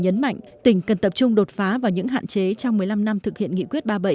nhấn mạnh tỉnh cần tập trung đột phá vào những hạn chế trong một mươi năm năm thực hiện nghị quyết ba mươi bảy